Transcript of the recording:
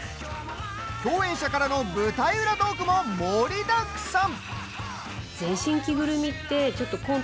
共演者からの舞台裏トークも盛りだくさん！